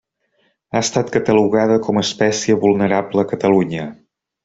Ha estat catalogada com a espècie vulnerable a Catalunya.